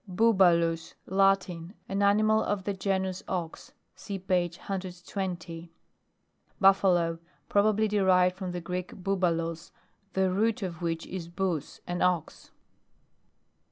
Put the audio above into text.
BUBALUS. Latin. An animal of the genus ox. (See page 120.) BUFFALO. Probably derived from the Greek boubulos, the root of which is bous, an ox.